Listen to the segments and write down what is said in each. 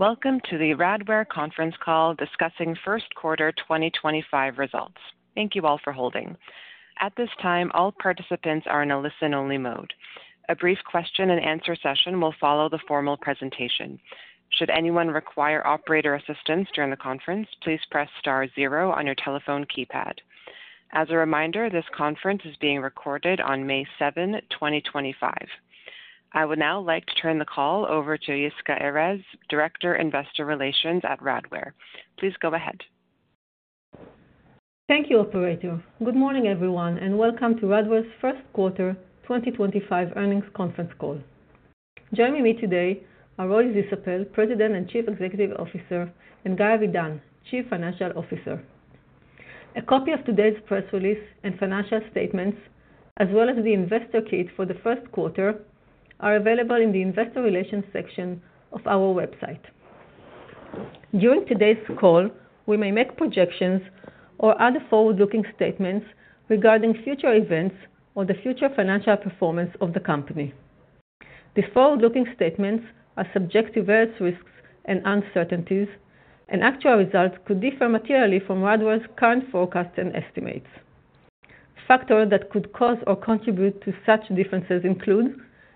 Welcome to the Radware Conference Call Discussing First Quarter 2025 Results. Thank you all for holding. At this time, all participants are in a listen-only mode. A brief question-and-answer session will follow the formal presentation. Should anyone require operator assistance during the conference, please press star zero on your telephone keypad. As a reminder, this conference is being recorded on May 7, 2025. I would now like to turn the call over to Yisca Erez, Director of Investor Relations at Radware. Please go ahead. Thank you, Operator. Good morning, everyone, and welcome to Radware's first quarter 2025 earnings conference call. Joining me today are Roy Zisapel, President and Chief Executive Officer, and Guy Avidan, Chief Financial Officer. A copy of today's press release and financial statements, as well as the investor kit for the first quarter, are available in the investor relations section of our website. During today's call, we may make projections or other forward-looking statements regarding future events or the future financial performance of the company. These forward-looking statements are subject to various risks and uncertainties, and actual results could differ materially from Radware's current forecasts and estimates. Factors that could cause or contribute to such differences include,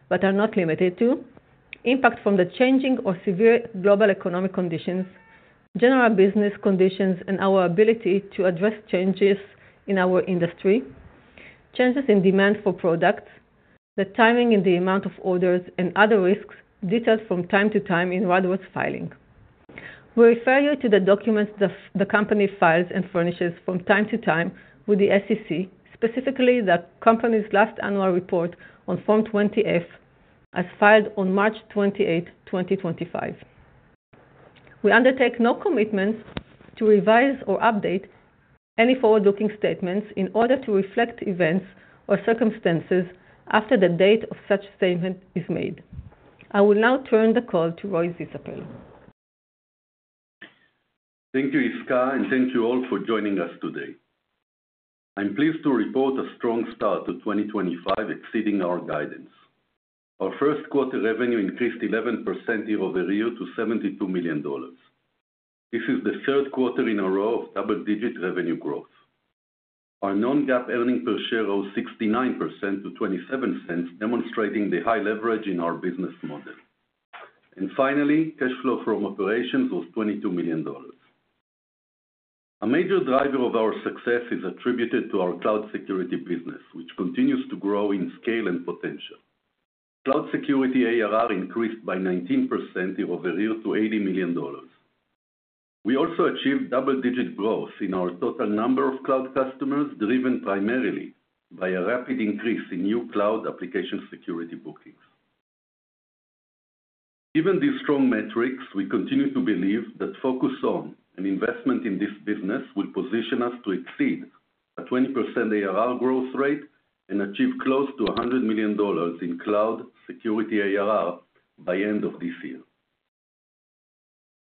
but are not limited to, impact from the changing or severe global economic conditions, general business conditions, and our ability to address changes in our industry, changes in demand for products, the timing and the amount of orders, and other risks detailed from time to time in Radware's filing. We refer you to the documents the company files and furnishes from time to time with the SEC, specifically the company's last annual report on Form 20-F, as filed on March 28, 2025. We undertake no commitments to revise or update any forward-looking statements in order to reflect events or circumstances after the date of such statement is made. I will now turn the call to Roy Zisapel. Thank you, Yisca, and thank you all for joining us today. I'm pleased to report a strong start to 2025, exceeding our guidance. Our first quarter revenue increased 11% year over year to $72 million. This is the third quarter in a row of double-digit revenue growth. Our non-GAAP earnings per share rose 69% to $0.27, demonstrating the high leverage in our business model. Finally, cash flow from operations was $22 million. A major driver of our success is attributed to our cloud security business, which continues to grow in scale and potential. Cloud security ARR increased by 19% year over year to $80 million. We also achieved double-digit growth in our total number of cloud customers, driven primarily by a rapid increase in new cloud application security bookings. Given these strong metrics, we continue to believe that focus on and investment in this business will position us to exceed a 20% ARR growth rate and achieve close to $100 million in cloud security ARR by the end of this year.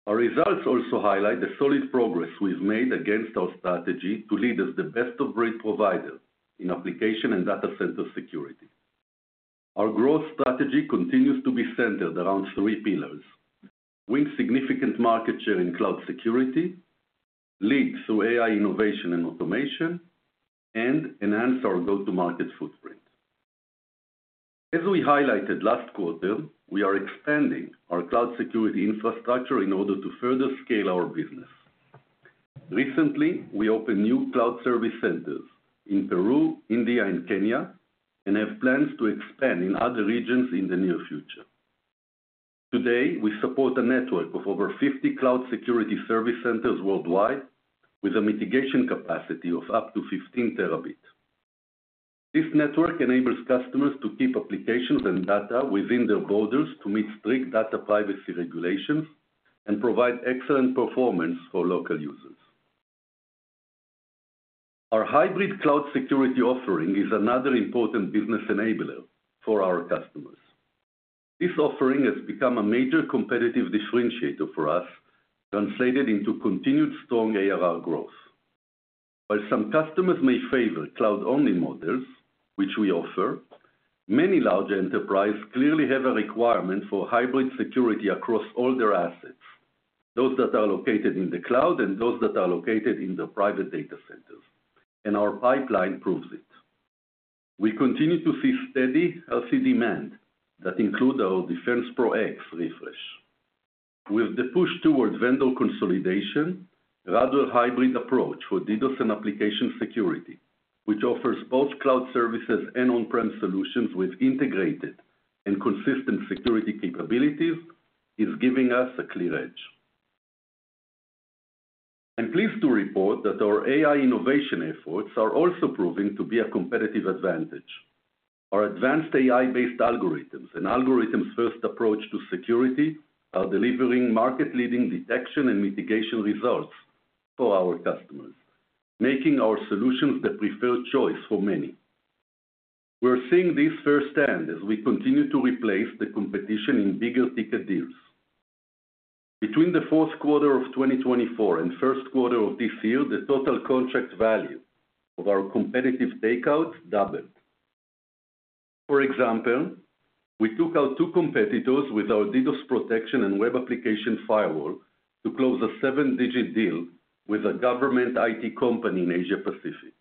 Our results also highlight the solid progress we've made against our strategy to lead as the best-of-breed provider in application and data center security. Our growth strategy continues to be centered around three pillars: win significant market share in cloud security, lead through AI innovation and automation, and enhance our go-to-market footprint. As we highlighted last quarter, we are expanding our cloud security infrastructure in order to further scale our business. Recently, we opened new cloud service centers in Peru, India, and Kenya, and have plans to expand in other regions in the near future. Today, we support a network of over 50 cloud security service centers worldwide, with a mitigation capacity of up to 15 terabits. This network enables customers to keep applications and data within their borders to meet strict data privacy regulations and provide excellent performance for local users. Our hybrid cloud security offering is another important business enabler for our customers. This offering has become a major competitive differentiator for us, translated into continued strong ARR growth. While some customers may favor cloud-only models, which we offer, many large enterprises clearly have a requirement for hybrid security across all their assets, those that are located in the cloud and those that are located in the private data centers, and our pipeline proves it. We continue to see steady healthy demand that includes our DefensePro X refresh. With the push towards vendor consolidation, Radware's hybrid approach for DDoS and application security, which offers both cloud services and on-prem solutions with integrated and consistent security capabilities, is giving us a clear edge. I'm pleased to report that our AI innovation efforts are also proving to be a competitive advantage. Our advanced AI-based algorithms and algorithms-first approach to security are delivering market-leading detection and mitigation results for our customers, making our solutions the preferred choice for many. We're seeing this firsthand as we continue to replace the competition in bigger ticket deals. Between the fourth quarter of 2024 and the first quarter of this year, the total contract value of our competitive takeouts doubled. For example, we took out two competitors with our DDoS protection and Web Application Firewall to close a seven-digit deal with a government IT company in Asia-Pacific.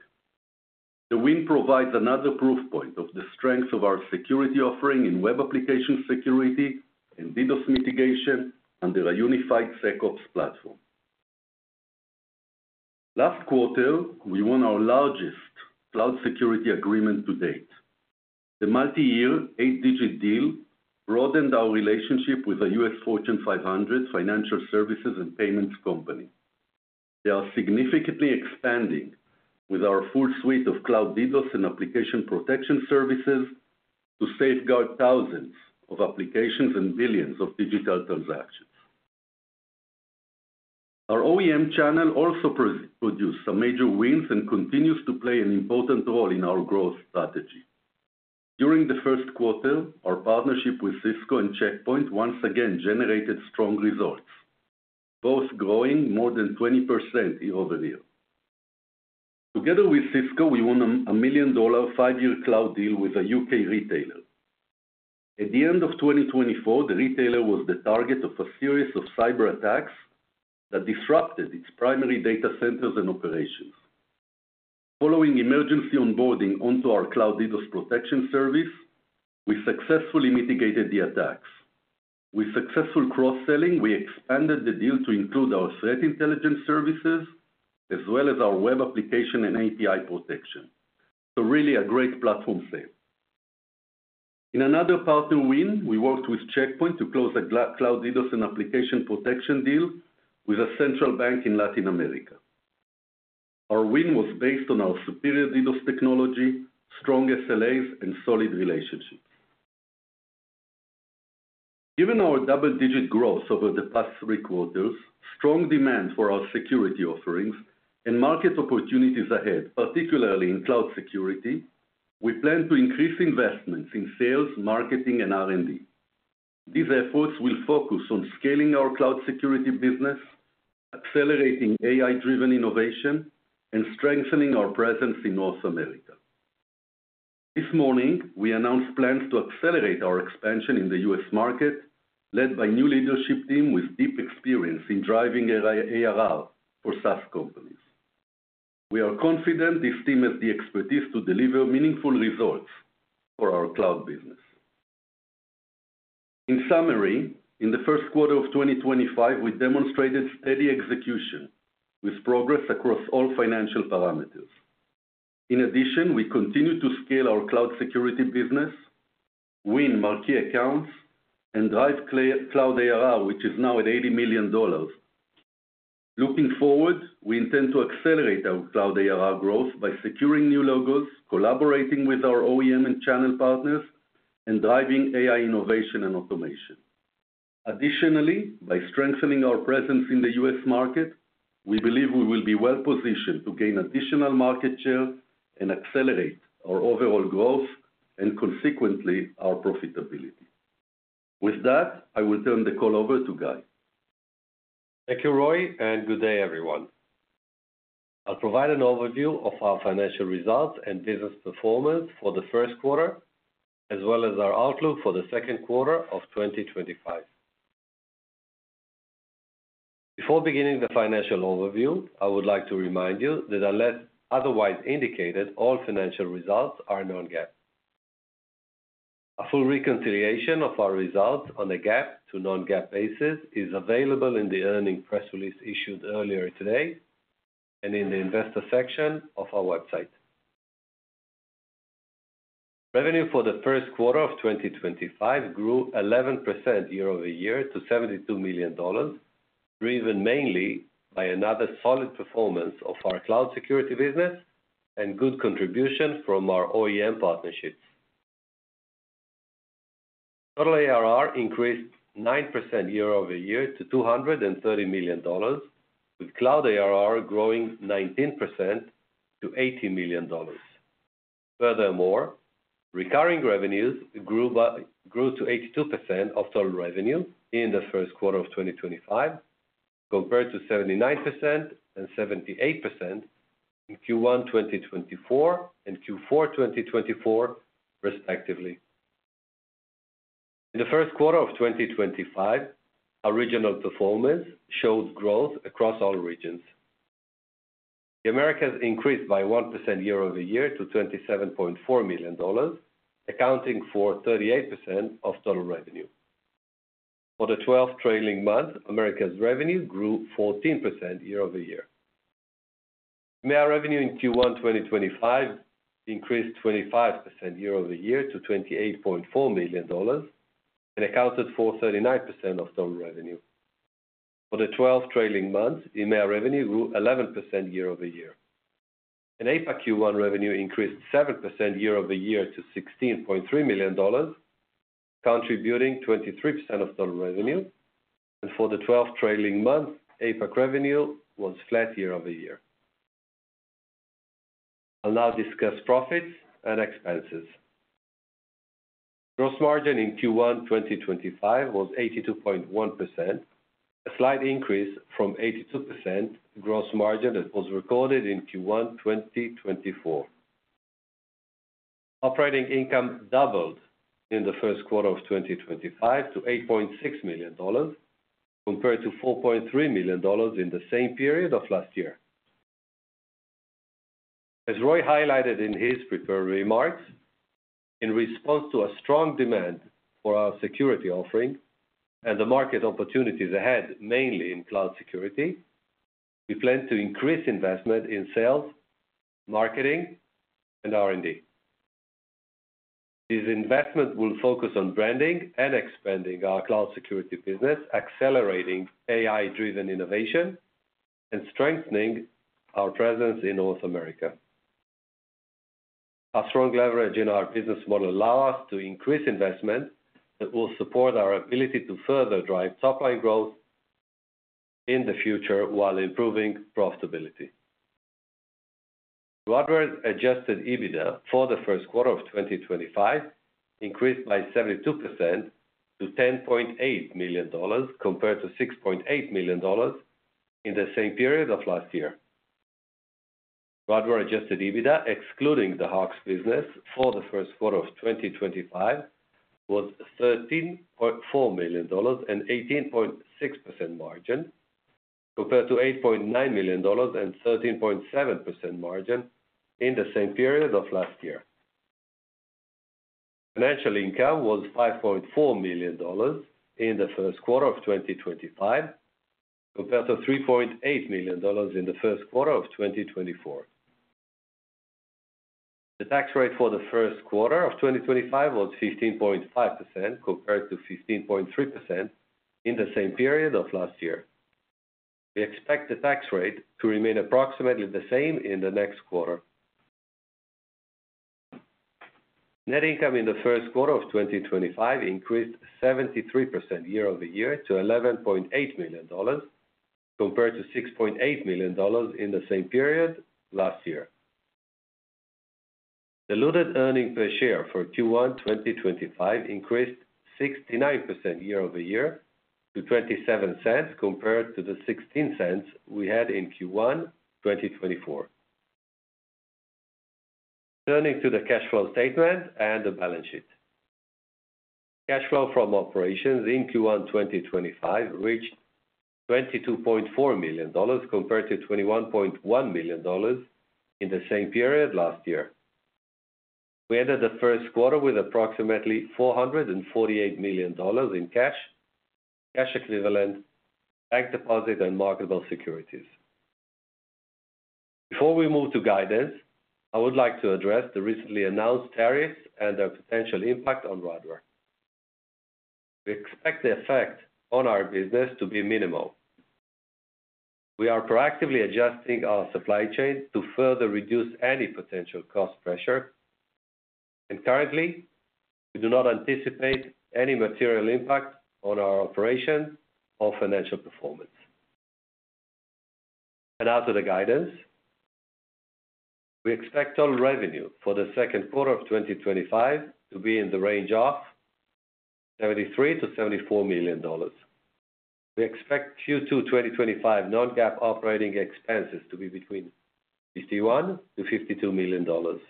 The win provides another proof point of the strength of our security offering in web application security and DDoS mitigation under a unified SecOps platform. Last quarter, we won our largest cloud security agreement to date. The multi-year, eight-digit deal broadened our relationship with a U.S. Fortune 500 financial services and payments company. They are significantly expanding with our full suite of cloud DDoS and application protection services to safeguard thousands of applications and billions of digital transactions. Our OEM channel also produced some major wins and continues to play an important role in our growth strategy. During the first quarter, our partnership with Cisco and Check Point once again generated strong results, both growing more than 20% year over year. Together with Cisco, we won a $1 million five-year cloud deal with a U.K. retailer. At the end of 2024, the retailer was the target of a series of cyberattacks that disrupted its primary data centers and operations. Following emergency onboarding onto our cloud DDoS protection service, we successfully mitigated the attacks. With successful cross-selling, we expanded the deal to include our Threat Intelligence Services as well as our web application and API protection. Really a great platform sale. In another partner win, we worked with Check Point to close a cloud DDoS and application protection deal with a central bank in Latin America. Our win was based on our superior DDoS technology, strong SLAs, and solid relationships. Given our double-digit growth over the past three quarters, strong demand for our security offerings, and market opportunities ahead, particularly in cloud security, we plan to increase investments in sales, marketing, and R&D. These efforts will focus on scaling our cloud security business, accelerating AI-driven innovation, and strengthening our presence in North America. This morning, we announced plans to accelerate our expansion in the U.S. market, led by a new leadership team with deep experience in driving ARR for SaaS companies. We are confident this team has the expertise to deliver meaningful results for our cloud business. In summary, in the first quarter of 2025, we demonstrated steady execution with progress across all financial parameters. In addition, we continue to scale our cloud security business, win marquee accounts, and drive cloud ARR, which is now at $80 million. Looking forward, we intend to accelerate our cloud ARR growth by securing new logos, collaborating with our OEM and channel partners, and driving AI innovation and automation. Additionally, by strengthening our presence in the U.S. market, we believe we will be well-positioned to gain additional market share and accelerate our overall growth and, consequently, our profitability. With that, I will turn the call over to Guy. Thank you, Roy, and good day, everyone. I'll provide an overview of our financial results and business performance for the first quarter, as well as our outlook for the second quarter of 2025. Before beginning the financial overview, I would like to remind you that, unless otherwise indicated, all financial results are non-GAAP. A full reconciliation of our results on a GAAP to non-GAAP basis is available in the earnings press release issued earlier today and in the investor section of our website. Revenue for the first quarter of 2025 grew 11% year over year to $72 million, driven mainly by another solid performance of our cloud security business and good contribution from our OEM partnerships. Total ARR increased 9% year over year to $230 million, with cloud ARR growing 19% to $80 million. Furthermore, recurring revenues grew to 82% of total revenue in the first quarter of 2025, compared to 79% and 78% in Q1 2024 and Q4 2024, respectively. In the first quarter of 2025, our regional performance showed growth across all regions. The Americas increased by 1% year over year to $27.4 million, accounting for 38% of total revenue. For the 12th trailing month, Americas revenue grew 14% year over year. EMEA revenue in Q1 2025 increased 25% year over year to $28.4 million and accounted for 39% of total revenue. For the 12th trailing month, EMEA revenue grew 11% year over year. APAC Q1 revenue increased 7% year over year to $16.3 million, contributing 23% of total revenue. For the 12th trailing month, APAC revenue was flat year over year. I'll now discuss profits and expenses. Gross margin in Q1 2025 was 82.1%, a slight increase from 82% gross margin that was recorded in Q1 2024. Operating income doubled in the first quarter of 2025 to $8.6 million, compared to $4.3 million in the same period of last year. As Roy highlighted in his prepared remarks, in response to a strong demand for our security offering and the market opportunities ahead, mainly in cloud security, we plan to increase investment in sales, marketing, and R&D. These investments will focus on branding and expanding our cloud security business, accelerating AI-driven innovation and strengthening our presence in North America. Our strong leverage in our business model allows us to increase investment that will support our ability to further drive top-line growth in the future while improving profitability. The Radware adjusted EBITDA for the first quarter of 2025 increased by 72% to $10.8 million, compared to $6.8 million in the same period of last year. Radware adjusted EBITDA, excluding the HOGS business, for the first quarter of 2025 was $13.4 million and 18.6% margin, compared to $8.9 million and 13.7% margin in the same period of last year. Financial income was $5.4 million in the first quarter of 2025, compared to $3.8 million in the first quarter of 2024. The tax rate for the first quarter of 2025 was 15.5%, compared to 15.3% in the same period of last year. We expect the tax rate to remain approximately the same in the next quarter. Net income in the first quarter of 2025 increased 73% year over year to $11.8 million, compared to $6.8 million in the same period last year. The diluted earnings per share for Q1 2025 increased 69% year over year to $0.27, compared to the $0.16 we had in Q1 2024. Turning to the cash flow statement and the balance sheet. Cash flow from operations in Q1 2025 reached $22.4 million, compared to $21.1 million in the same period last year. We entered the first quarter with approximately $448 million in cash, cash equivalents, bank deposits, and marketable securities. Before we move to guidance, I would like to address the recently announced tariffs and their potential impact on Radware. We expect the effect on our business to be minimal. We are proactively adjusting our supply chain to further reduce any potential cost pressure. Currently, we do not anticipate any material impact on our operations or financial performance. Now to the guidance. We expect total revenue for the second quarter of 2025 to be in the range of $73 million-$74 million. We expect Q2 2025 non-GAAP operating expenses to be between $51 million-$52 million.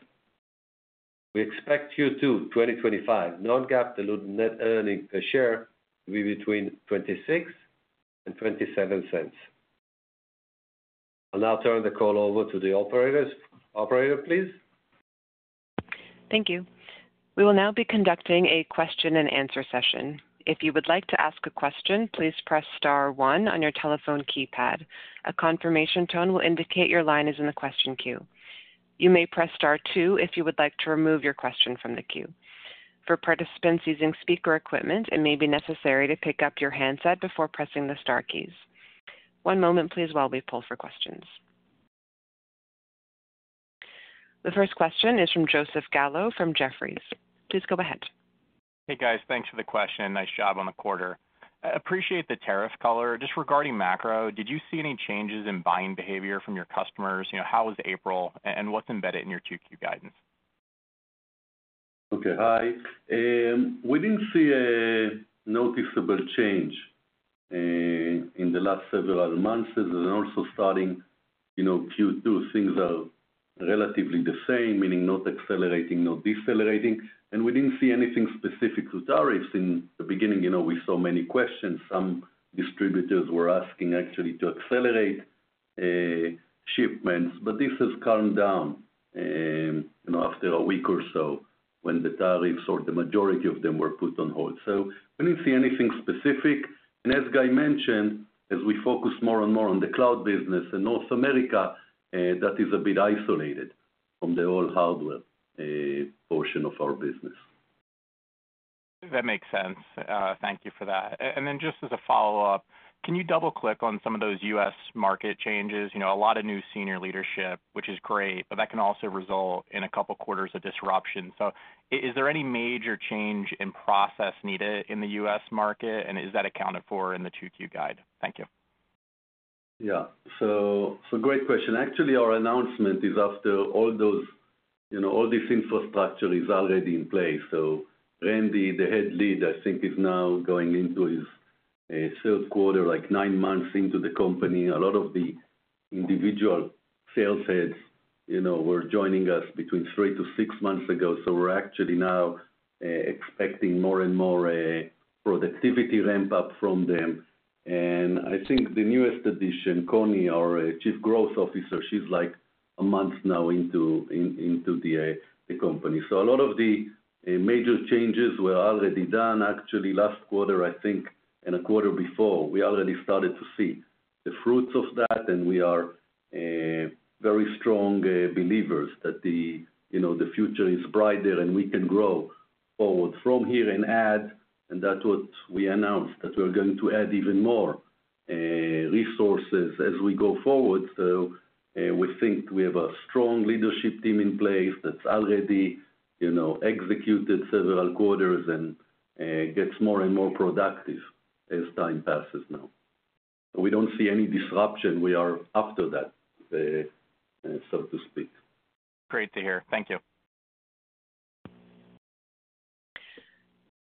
We expect Q2 2025 non-GAAP diluted net earning per share to be between $0.26 and $0.27. I'll now turn the call over to the operator, please. Thank you. We will now be conducting a question-and-answer session. If you would like to ask a question, please press star one on your telephone keypad. A confirmation tone will indicate your line is in the question queue. You may press star two if you would like to remove your question from the queue. For participants using speaker equipment, it may be necessary to pick up your handset before pressing the star keys. One moment, please, while we pull for questions. The first question is from Joseph Gallo from Jefferies. Please go ahead. Hey, guys. Thanks for the question. Nice job on the quarter. Appreciate the tariff color. Just regarding macro, did you see any changes in buying behavior from your customers? How was April? What's embedded in your Q2 guidance? Okay. Hi. We did not see a noticeable change in the last several months. Also, starting Q2, things are relatively the same, meaning not accelerating, not decelerating. We did not see anything specific to tariffs. In the beginning, we saw many questions. Some distributors were asking, actually, to accelerate shipments. This calmed down after a week or so when the tariffs, or the majority of them, were put on hold. We did not see anything specific. As Guy mentioned, as we focus more and more on the cloud business in North America, that is a bit isolated from the whole hardware portion of our business. That makes sense. Thank you for that. Just as a follow-up, can you double-click on some of those U.S. market changes? A lot of new senior leadership, which is great, but that can also result in a couple of quarters of disruption. Is there any major change in process needed in the U.S. market? Is that accounted for in the Q2 guide? Thank you. Yeah. Great question. Actually, our announcement is after all this infrastructure is already in place. Randy, the Head Lead, I think, is now going into his third quarter, like nine months into the company. A lot of the individual sales heads were joining us between three to six months ago. We are actually now expecting more and more productivity ramp-up from them. I think the newest addition, Connie, our Chief Growth Officer, she's like a month now into the company. A lot of the major changes were already done, actually, last quarter, I think, and a quarter before. We already started to see the fruits of that. We are very strong believers that the future is brighter and we can grow forward from here. That is what we announced, that we're going to add even more resources as we go forward. We think we have a strong leadership team in place that's already executed several quarters and gets more and more productive as time passes now. We don't see any disruption. We are after that, so to speak. Great to hear. Thank you.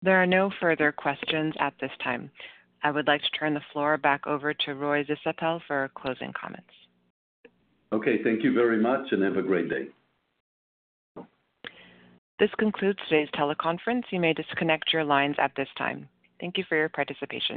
There are no further questions at this time. I would like to turn the floor back over to Roy Zisapel for closing comments. Okay. Thank you very much and have a great day. This concludes today's teleconference. You may disconnect your lines at this time. Thank you for your participation.